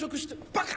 バカ！